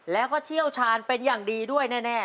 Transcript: แล้วก็เชี่ยวชาญเป็นอย่างดีด้วยแน่